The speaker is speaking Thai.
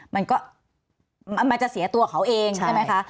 มันจะเสียตัวเขาเองใช่ไหมคะ